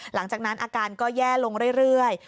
หลังจากนั้นอาการก็แย่ลงเรื่อย